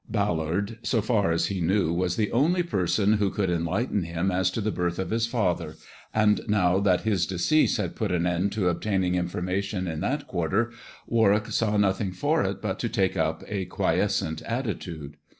Ballard, so far as he knew, was the only person who could enlighten him as to the birth of his father ; and now that his decease had put an end to obtaining informa tion in that quarter, Warwick saw nothing for it but to take up a quiescent attitude.